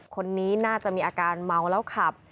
คนนี้น่าจะมีอาการเมาแล้วขับ